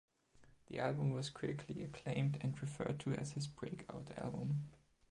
The album was critically acclaimed and referred to as his "breakout" album.